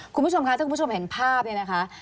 คุณผู้ชมคะถ้าคุณผู้ชมเห็นภาพเนี่ยนะคะ